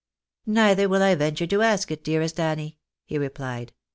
" Neither will I venture to ask it, dearest Annie," he replied.